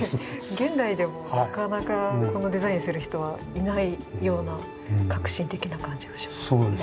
現代でもなかなかこんなデザインする人はいないような革新的な感じがします。